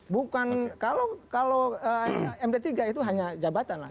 bukan kalau md tiga itu hanya jabatan lah